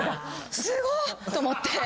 すごっ！と思って。